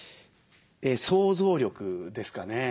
想像力ですかね。